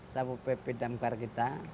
sampai pdmkr kita